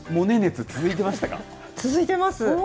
続いてます。